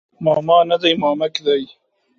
ماما نه دی مامک دی